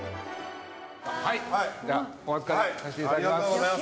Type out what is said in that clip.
はいじゃあお預かりさせていただきます。